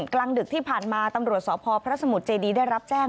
กลางดึกที่ผ่านมาตำรวจสพพระสมุทรเจดีได้รับแจ้ง